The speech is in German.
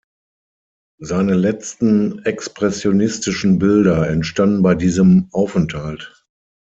Seine letzten expressionistischen Bilder entstanden bei diesem Aufenthalt.